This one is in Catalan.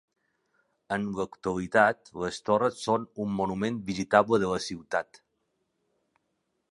En l'actualitat les torres són un monument visitable de la ciutat.